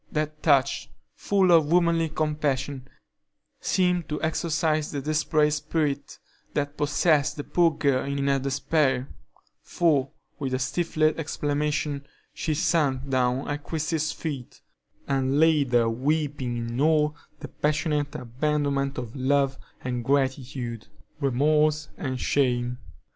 That touch, full of womanly compassion, seemed to exorcise the desperate spirit that possessed the poor girl in her despair, for, with a stifled exclamation, she sunk down at Christie's feet, and lay there weeping in all the passionate abandonment of love and gratitude, remorse and shame.